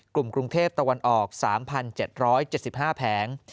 กรุงเทพตะวันออก๓๗๗๕แผง